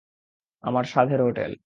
আমার সাধের হোটেল!